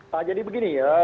pak jadi begini ya